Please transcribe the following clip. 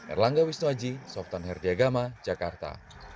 erlangga wisnuaji softan herdiagama jakarta